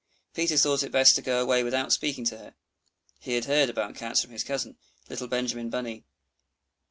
Peter thought it best to go away without speaking to her, he had heard about Cats from his cousin, little Benjamin Bunny.